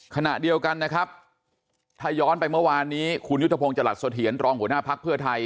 ขณะเดียวกันนะครับถ้าย้อนไปเมื่อวานนี้คุณยุทธพงศ์จรัสเสถียรรองหัวหน้าภักดิ์เพื่อไทย